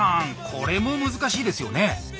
これも難しいですよね？